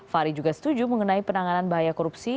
fahri juga setuju mengenai penanganan bahaya korupsi